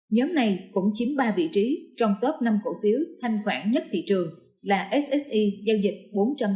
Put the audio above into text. nhóm này cũng chiếm ba vị trí trong top năm cổ phiếu thanh khoản nhất thị trường là sse giao dịch bốn trăm tám mươi bảy tám tỷ đồng